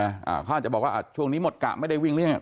เขาอาจจะบอกว่าอ่ะช่วงนี้หมดกะไม่ได้วิ่งหรือยังไง